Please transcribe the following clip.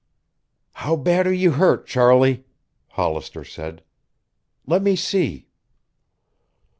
"How bad are you hurt, Charlie?" Hollister said. "Let me see."